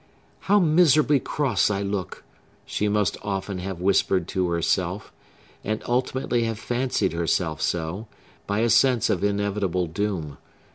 "How miserably cross I look!" she must often have whispered to herself; and ultimately have fancied herself so, by a sense of inevitable doom.